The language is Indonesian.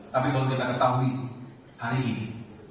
tapi kalau kita ketahui hari ini